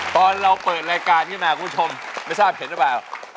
ตอนเราเปิดรายการขึ้นมาคุณผู้ชมไม่ทราบเห็นหรือเปล่า